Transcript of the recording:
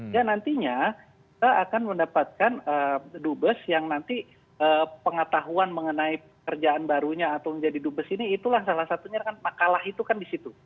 dan nantinya kita akan mendapatkan dubes yang nanti pengetahuan mengenai kerjaan barunya atau menjadi dubes ini itulah salah satunya makalah itu kan di situ